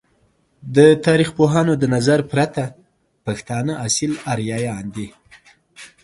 د تاریخ پوهانو د نظر پرته ، پښتانه اصیل آریایان دی!